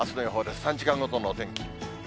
３時間ごとのお天気。